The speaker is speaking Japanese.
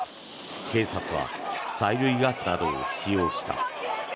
警察は催涙ガスなどを使用した。